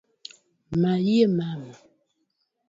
Mayie Mama!